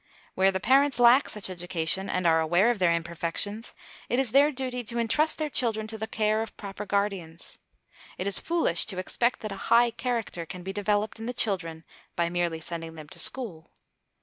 Where the parents lack such education and are aware of their imperfections, it is their duty to entrust their children to the care of proper guardians. It is foolish to expect that a high character can be developed in the children by merely sending them to school.